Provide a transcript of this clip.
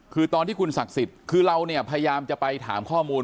คือตอนที่คุณศักดิ์สิทธิ์คือเราเนี่ยพยายามจะไปถามข้อมูล